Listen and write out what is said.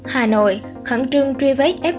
hà nội khẩn trương truy vết f một